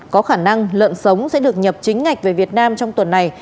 có khả năng lợn sống sẽ được nhập chính ngạch về việt nam trong tuần này